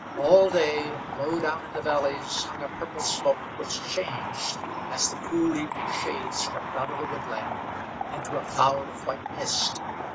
All day low down in the valleys hung a purple smoke which changed, as the cool evening shades crept out of the woodland, into a cloud of white mist.